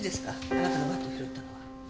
あなたがバットを拾ったのは。